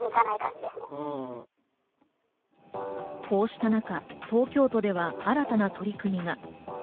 こうした中、東京都では新たな取り組みが。